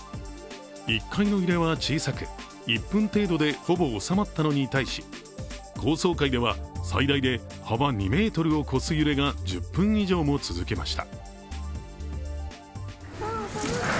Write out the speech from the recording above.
１階の揺れは小さく、１分程度でほぼ収まったのに対し高層階では、最大で幅２ｍを超す揺れが１０分以上も続きました。